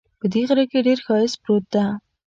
په دې غره کې ډېر ښایست پروت ده